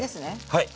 はい。